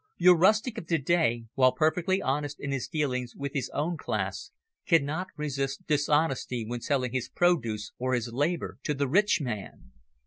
Your rustic of to day, while perfectly honest in his dealings with his own class, cannot resist dishonesty when selling his produce or his labour to the rich man.